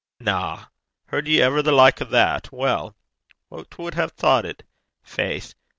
'Na! heard ye ever the like o' that! Weel, wha wad hae thocht it? Faith!